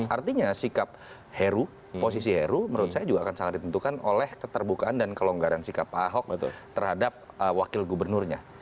artinya sikap heru posisi heru menurut saya juga akan sangat ditentukan oleh keterbukaan dan kelonggaran sikap pak ahok terhadap wakil gubernurnya